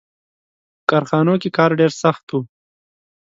• په کارخانو کې کار ډېر سخت و.